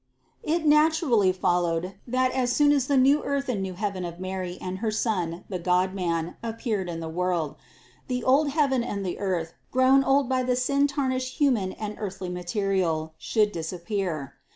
It naturally followed that as soon as the new earth and new heaven of Mary and her Son the God man appeared in the world, the old heaven and the earth, grown old by the sin tarnished human and earthly mat ter, should disappear.